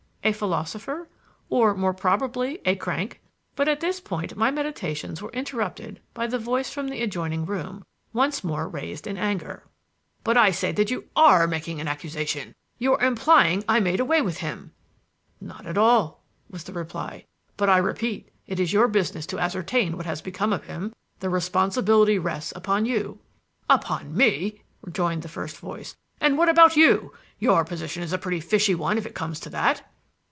A philosopher? Or more probably a crank? But at this point my meditations were interrupted by the voice from the adjoining room, once more raised in anger. "But I say that you are making an accusation! You are implying that I made away with him." "Not at all," was the reply; "but I repeat that it is your business to ascertain what has become of him. The responsibility rests upon you." "Upon me!" rejoined the first voice. "And what about you? Your position is a pretty fishy one if it comes to that."